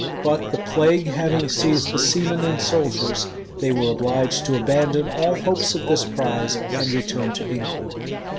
But the plague having seized the seamen and soldiers, they were obliged to abandon all hopes of this prize, and return to England.